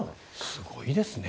すごいですね。